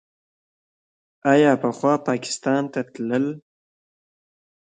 آیا پخوا پاکستان ته تلل؟